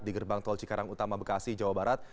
di gerbang tol cikarang utama bekasi jawa barat